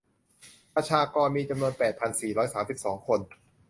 ประชากรมีจำนวนแปดพันสี่ร้อยสามสิบสองคน